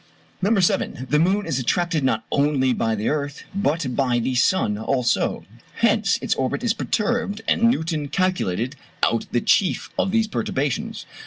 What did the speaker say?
No. 7. The moon is attracted not only by the earth, but by the sun also; hence its orbit is perturbed, and Newton calculated out the chief of these perturbations.